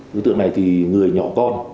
đối tượng này thì người nhỏ con